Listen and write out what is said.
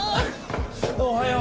おはよう！